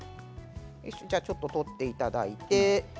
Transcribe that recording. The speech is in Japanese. ちょっと取っていただいて。